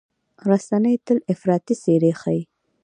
رسنۍ تل افراطي څېرې ښيي.